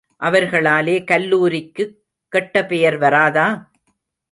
அவர்களாலே கல்லூரிக்குக் கெட்ட பெயர் வராதா?